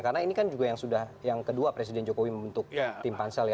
karena ini kan sudah yang kedua presiden jokowi membentuk tim pansel ya